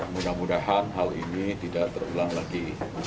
mudah mudahan hal ini tidak terulang lagi